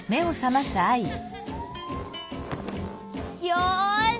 よし！